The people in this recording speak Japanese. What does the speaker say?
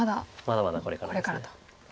まだまだこれからです。